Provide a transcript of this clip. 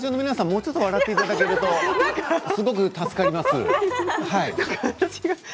もうちょっと笑っていただけると助かります。